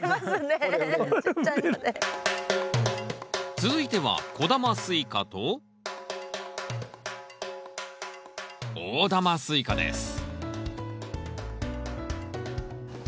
続いては小玉スイカと大玉スイカですわ。